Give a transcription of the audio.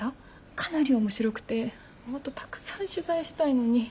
かなり面白くてもっとたくさん取材したいのに。